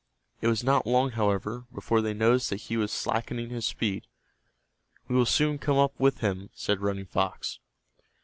It was not long, however, before they noticed that he was slackening his speed. "We will soon come up with him," said Running Fox.